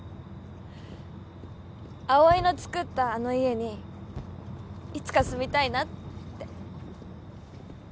葵の造ったあの家にいつか住みたいなって